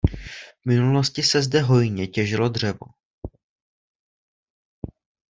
V minulosti se zde hojně těžilo dřevo.